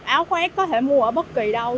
áo khoác có thể mua ở bất kỳ đâu